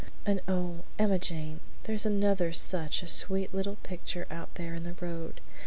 And oh, Emma Jane, there's another such a sweet little picture out there in the road.